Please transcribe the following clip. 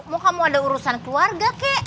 mau kamu ada urusan keluarga kek